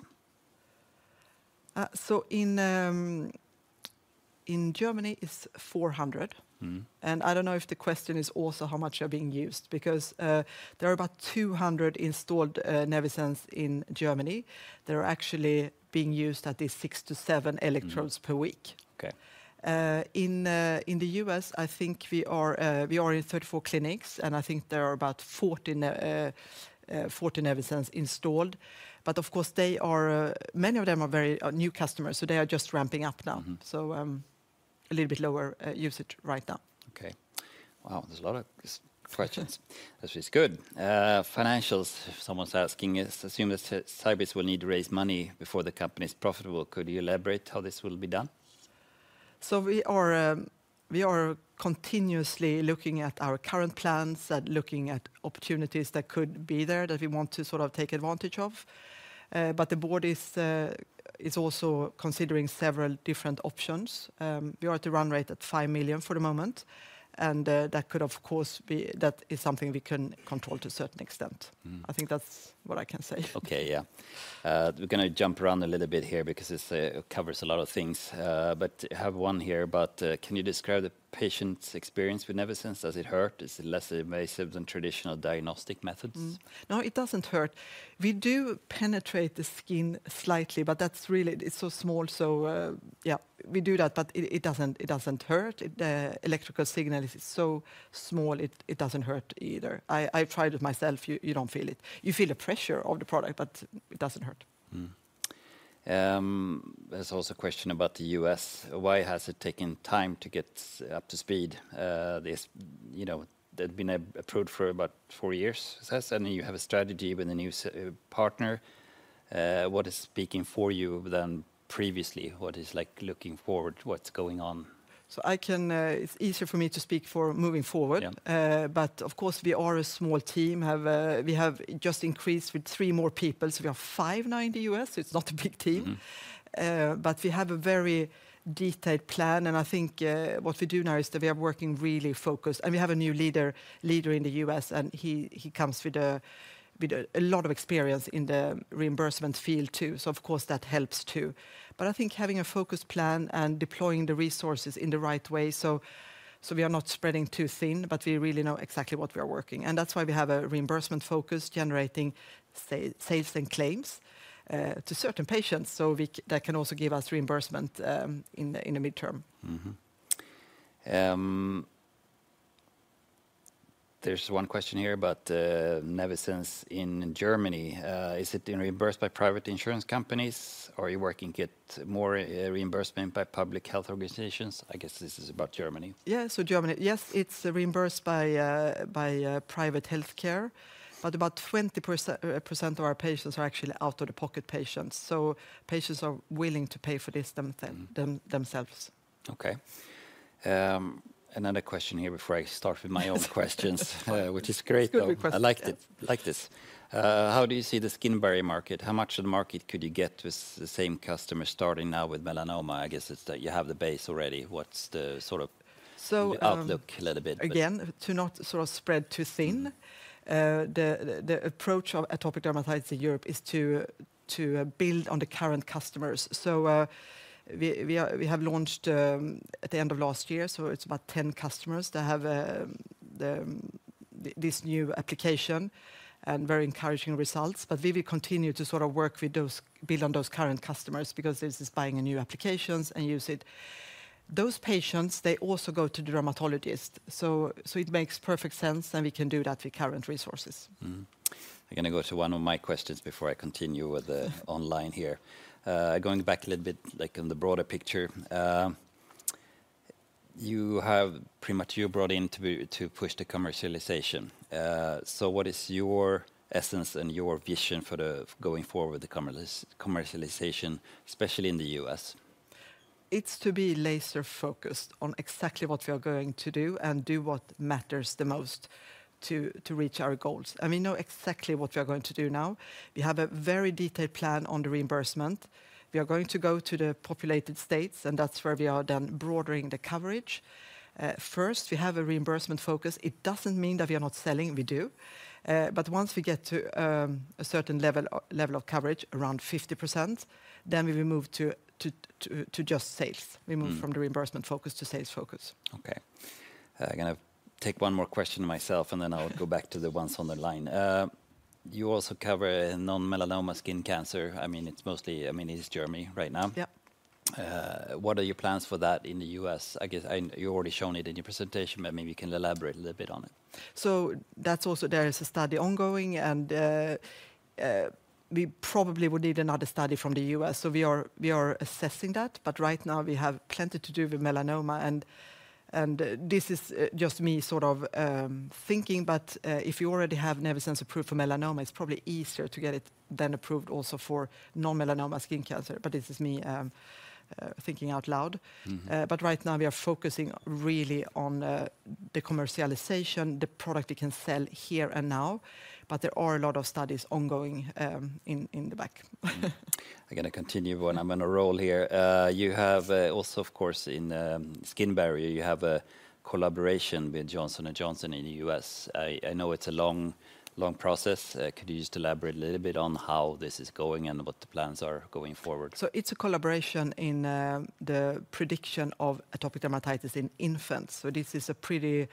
In Germany, it's 400. Mm. I don't know if the question is also how much are being used, because there are about 200 installed Nevisense in Germany. They are actually being used at least six to seven electrodes per week. Mm. Okay. In the U.S., I think we are in 34 clinics, and I think there are about 40 Nevisense installed. But of course, many of them are very new customers, so they are just ramping up now. Mm. A little bit lower usage right now. Okay. Wow, there's a lot of questions, which is good. Financials, someone's asking is, assume that SciBase will need to raise money before the company is profitable. Could you elaborate how this will be done? We are continuously looking at our current plans and looking at opportunities that could be there that we want to sort of take advantage of. But the board is also considering several different options. We are at the run rate at 5 million for the moment, and that could, of course, be... That is something we can control to a certain extent. Mm. I think that's what I can say. Okay, yeah. We're gonna jump around a little bit here because this covers a lot of things. But I have one here about, can you describe the patient's experience with Nevisense? Does it hurt? Is it less invasive than traditional diagnostic methods? No, it doesn't hurt. We do penetrate the skin slightly, but that's really... It's so small, so, yeah. We do that, but it, it doesn't, it doesn't hurt. The electrical signal is so small, it, it doesn't hurt either. I, I tried it myself. You, you don't feel it. You feel the pressure of the product, but it doesn't hurt. There's also a question about the U.S.: Why has it taken time to get up to speed? This, you know, they've been approved for about four years, it says, and you have a strategy with a new partner. What is speaking for you than previously? What is, like, looking forward, what's going on? It's easier for me to speak for moving forward. Yeah. But of course, we are a small team. We have just increased with three more people, so we are five now in the U.S., so it's not a big team. But we have a very detailed plan, and I think what we do now is that we are working really focused. And we have a new leader in the U.S., and he comes with a lot of experience in the reimbursement field, too. So of course, that helps, too. But I think having a focused plan and deploying the resources in the right way, so we are not spreading too thin, but we really know exactly what we are working. And that's why we have a reimbursement focus generating sales and claims to certain patients, so we that can also give us reimbursement in the midterm. There's one question here about Nevisense in Germany. Is it reimbursed by private insurance companies, or are you working to get more reimbursement by public health organizations? I guess this is about Germany. Yeah, so Germany. Yes, it's reimbursed by private healthcare, but about 20% of our patients are actually out-of-the-pocket patients. So patients are willing to pay for this themselves. Okay. Another question here before I start with my own questions. Which is great, though. Good question. I like it, like this. How do you see the skin barrier market? How much of the market could you get with the same customer starting now with melanoma? I guess it's that you have the base already. What's the sort of- So, um The outlook a little bit? Again, to not sort of spread too thin the approach of atopic dermatitis in Europe is to build on the current customers. So, we have launched at the end of last year, so it's about 10 customers that have this new application, and very encouraging results. But we will continue to sort of work with those... build on those current customers because this is buying a new applications and use it. Those patients, they also go to the dermatologist, so it makes perfect sense, and we can do that with current resources. Mm-hmm. I'm gonna go to one of my questions before I continue with the online here. Going back a little bit, like, on the broader picture, you have pretty much you brought in to be, to push the commercialization. So what is your essence and your vision for going forward, the commercialization, especially in the U.S.? It's to be laser focused on exactly what we are going to do and do what matters the most to reach our goals. We know exactly what we are going to do now. We have a very detailed plan on the reimbursement. We are going to go to the populated states, and that's where we are then broadening the coverage. First, we have a reimbursement focus. It doesn't mean that we are not selling. We do. But once we get to a certain level of coverage, around 50%, then we will move to just sales. Mm. We move from the reimbursement focus to sales focus. Okay. I'm gonna take one more question myself, and then I'll go back to the ones on the line. You also cover a non-melanoma skin cancer? I mean, it's mostly, I mean, it's Germany right now. Yeah. What are your plans for that in the U.S.? I guess, and you've already shown it in your presentation, but maybe you can elaborate a little bit on it. So that's also, there is a study ongoing, and we probably would need another study from the U.S. So we are assessing that, but right now we have plenty to do with melanoma. And this is just me sort of thinking, but if you already have Nevisense approved for melanoma, it's probably easier to get it then approved also for non-melanoma skin cancer. But this is me thinking out loud. But right now we are focusing really on the commercialization, the product we can sell here and now, but there are a lot of studies ongoing, in the back. I'm gonna continue when I'm on a roll here. You have, also, of course, in skin barrier, a collaboration with Johnson & Johnson in the U.S. I know it's a long, long process. Could you just elaborate a little bit on how this is going and what the plans are going forward? It's a collaboration in the prediction of atopic dermatitis in infants. This is a pretty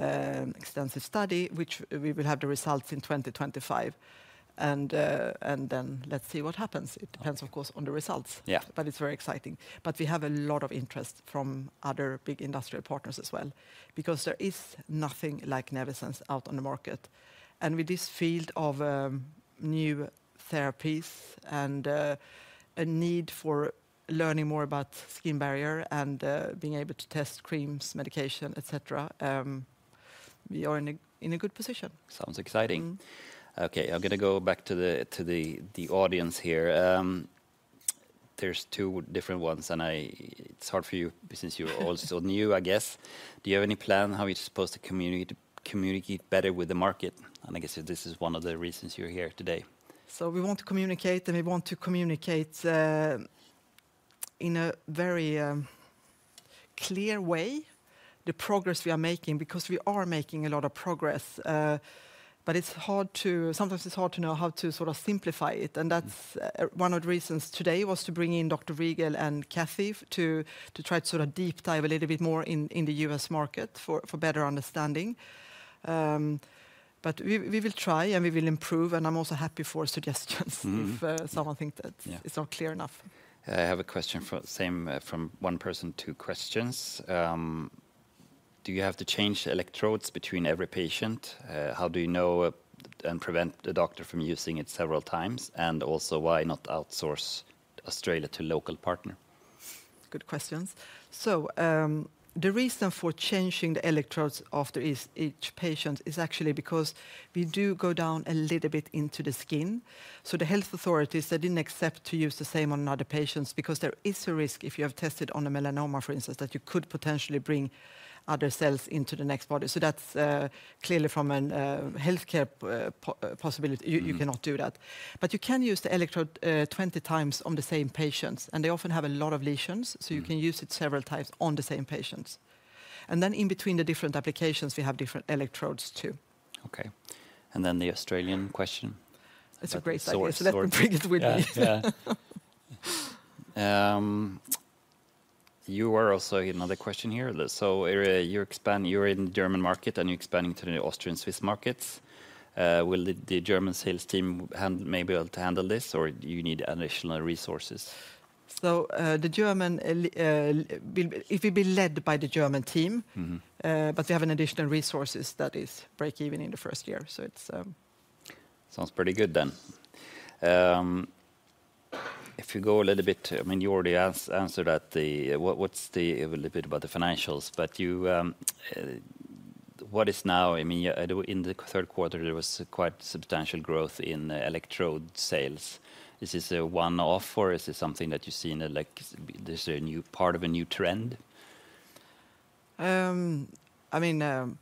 extensive study, which we will have the results in 2025. And, and then let's see what happens. It depends, of course, on the results. Yeah. But it's very exciting. But we have a lot of interest from other big industrial partners as well, because there is nothing like Nevisense out on the market. And with this field of new therapies and a need for learning more about skin barrier and being able to test creams, medication, et cetera, we are in a good position. Sounds exciting. Okay, I'm gonna go back to the audience here. There's two different ones, and it's hard for you since you're also new, I guess. "Do you have any plan how you're supposed to communicate better with the market?" And I guess this is one of the reasons you're here today. So we want to communicate, and we want to communicate, in a very clear way, the progress we are making, because we are making a lot of progress. But it's hard sometimes to know how to sort of simplify it. That's one of the reasons today was to bring in Dr. Rigel and Kathy to try to sort of deep dive a little bit more in the U.S. market for better understanding. But we will try, and we will improve, and I'm also happy for suggestions. Mm-hmm If someone think that- Yeah It's not clear enough. I have a question for the same... from one person, two questions. "Do you have to change electrodes between every patient? How do you know and prevent the doctor from using it several times? And also, why not outsource Australia to local partner? Good questions. So, the reason for changing the electrodes after each patient is actually because we do go down a little bit into the skin. So the health authorities, they didn't accept to use the same on other patients, because there is a risk if you have tested on a melanoma, for instance, that you could potentially bring other cells into the next body. So that's clearly from a healthcare possibility. You cannot do that. But you can use the electrode 20 times on the same patients, and they often have a lot of lesions. You can use it several times on the same patients. Then in between the different applications, we have different electrodes, too. Okay. And then the Australian question. It's a great source. Let me bring it with me. Yeah. You are also another question here. So, you're in German market, and you're expanding to the Austrian, Swiss markets. Will the German sales team be able to handle this, or do you need additional resources? So, it will be led by the German team. Mm-hmm. But they have an additional resource that is breakeven in the first year. So it's... Sounds pretty good then. If you go a little bit, I mean, you already answered that. What's a little bit about the financials, but what is now, I mean, in the third quarter, there was quite substantial growth in the electrode sales. Is this a one-off, or is this something that you see in a, like, this a new, part of a new trend? I mean,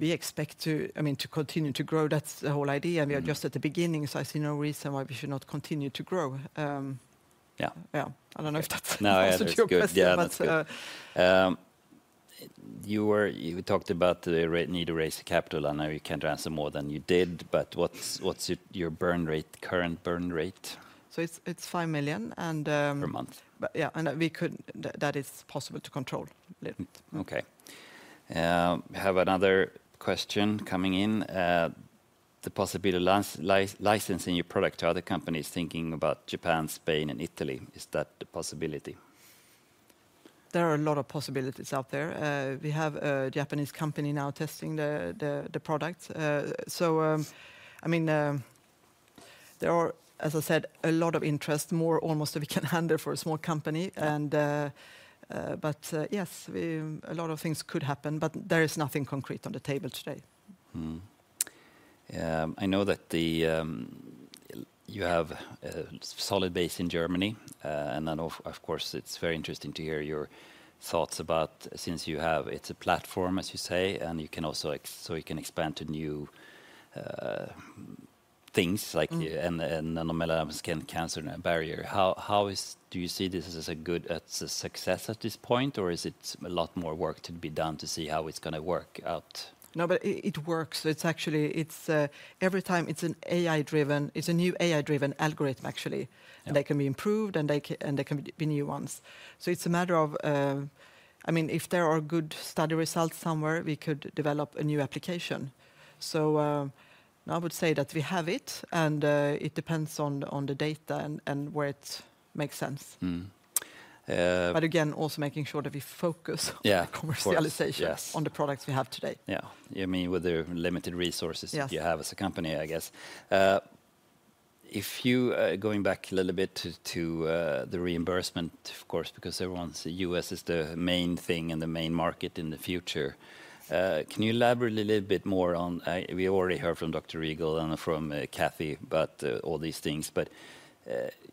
we expect to, I mean, to continue to grow. That's the whole idea. We are just at the beginning, so I see no reason why we should not continue to grow. Yeah. Yeah. I don't know if that answers your question. No, that's good. Yeah But, uh- You talked about the need to raise the capital, I know you can't answer more than you did, but what's your current burn rate? So it's 5 million, and... Per month? Yeah, and we could... That is possible to control a little bit. Okay. I have another question coming in. The possibility licensing your product to other companies, thinking about Japan, Spain, and Italy, is that a possibility? There are a lot of possibilities out there. We have a Japanese company now testing the product. So, I mean, there are, as I said, a lot of interest, more almost than we can handle for a small company. Yes, a lot of things could happen, but there is nothing concrete on the table today. I know that you have a solid base in Germany, and I know, of course, it's very interesting to hear your thoughts about... Since you have, it's a platform, as you say, and you can also so you can expand to new things melanoma skin cancer barrier. How is-- Do you see this as a good, as a success at this point, or is it a lot more work to be done to see how it's gonna work out? No, but it works. It's actually every time it's an AI-driven, it's a new AI-driven algorithm, actually. They can be improved, and there can be new ones. So it's a matter of, I mean, if there are good study results somewhere, we could develop a new application. So, I would say that we have it, and it depends on the data and where it makes sense. Mm. Uh But again, also making sure that we focus on the- Yeah Commercialization- Of course. Yes. On the products we have today. Yeah. You mean with the limited resources Yes You have as a company, I guess. If you, going back a little bit to, to, the reimbursement, of course, because everyone's, U.S. is the main thing and the main market in the future. Can you elaborate a little bit more on, we already heard from Dr. Rigel and from, Kathy about, all these things, but,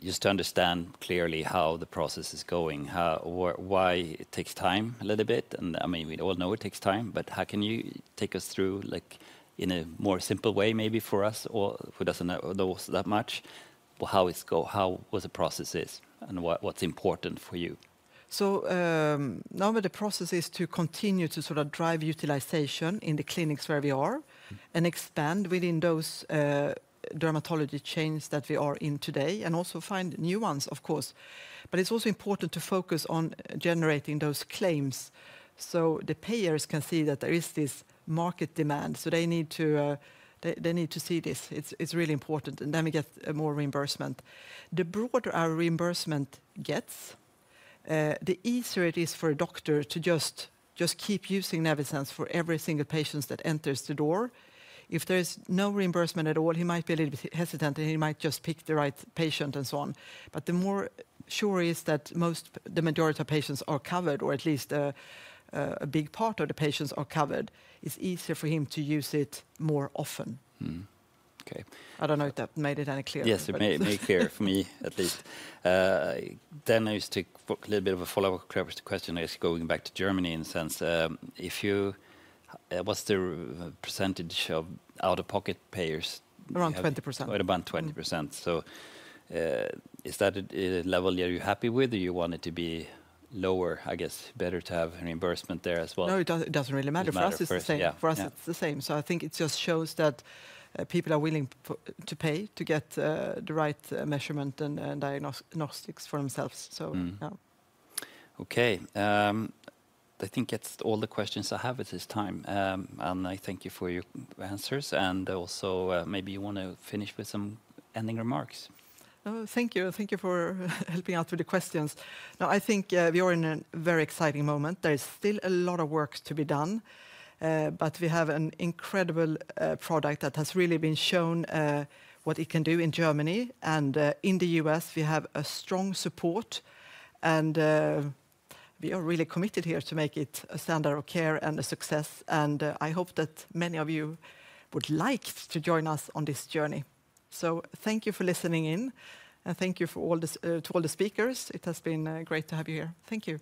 just to understand clearly how the process is going, how, why it takes time a little bit? And, I mean, we all know it takes time, but how can you take us through, like, in a more simple way, maybe for us, or who doesn't know, knows that much, how, what the process is and what, what's important for you? Now that the process is to continue to sort of drive utilization in the clinics where we are and expand within those, dermatology chains that we are in today, and also find new ones, of course. But it's also important to focus on generating those claims so the payers can see that there is this market demand. So they need to, they need to see this. It's really important, and then we get more reimbursement. The broader our reimbursement gets, the easier it is for a doctor to just keep using Nevisense for every single patients that enters the door. If there is no reimbursement at all, he might be a little bit hesitant, and he might just pick the right patient and so on. But the more sure is that most, the majority of patients are covered, or at least a big part of the patients are covered, it's easier for him to use it more often. Mm-hmm. Okay. I don't know if that made it any clearer Yes, it made clear for me, at least. Then I just take a little bit of a follow-up question is going back to Germany in the sense, if you, what's the percentage of out-of-pocket payers you have? Around 20%. Around 20%. So, is that a level you're happy with, or you want it to be lower? I guess better to have reimbursement there as well. No, it doesn't really matter. For us, it's the same. Yeah. For us, it's the same. So I think it just shows that people are willing to pay to get the right measurement and diagnostics for themselves. Mm. So, yeah. Okay, I think that's all the questions I have at this time. I thank you for your answers, and also, maybe you want to finish with some ending remarks. Oh, thank you. Thank you for helping out with the questions. Now, I think we are in a very exciting moment. There is still a lot of work to be done, but we have an incredible product that has really been shown what it can do in Germany, and in the U.S., we have a strong support, and we are really committed here to make it a standard of care and a success. And I hope that many of you would like to join us on this journey. So thank you for listening in, and thank you for all the, to all the speakers. It has been great to have you here. Thank you.